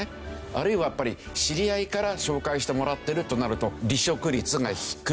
あるいはやっぱり知り合いから紹介してもらってるとなると離職率が低い。